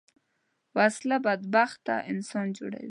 وسله بدبخته انسان جوړوي